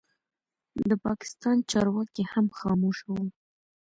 د پاکستان چارواکي هم خاموشه وو.